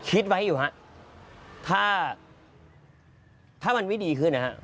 คิดไว้อยู่ครับถ้ามันไม่ดีขึ้นนะครับ